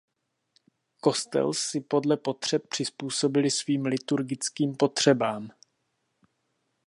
Kostel si podle potřeb přizpůsobili svým liturgickým potřebám.